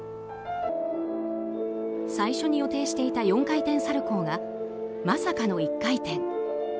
最初に予定していた４回転サルコウがまさかの１回転。